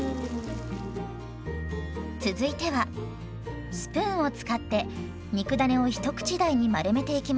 続いてはスプーンを使って肉だねを一口大に丸めていきましょう。